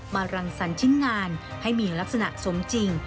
รังสรรค์ชิ้นงานให้มีลักษณะสมจริง